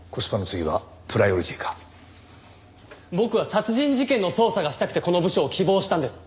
僕は殺人事件の捜査がしたくてこの部署を希望したんです。